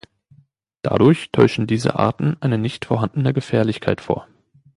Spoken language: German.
Dadurch täuschen diese Arten eine nicht vorhandene Gefährlichkeit vor.